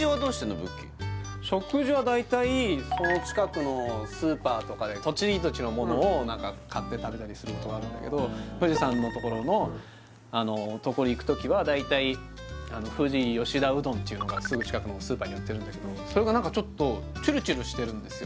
ブッキー食事は大体その近くのスーパーとかで土地土地のものを何か買って食べたりすることがあるんだけど富士山のところのところ行く時は大体富士吉田うどんっていうのがすぐ近くのスーパーに売ってるんだけどそれが何かちょっとちゅるちゅるしてるんですよ